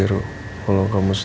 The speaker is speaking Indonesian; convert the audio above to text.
sumpah bilang gamers